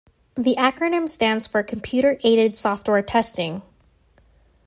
The acronym stands for "Computer Aided Software Testing".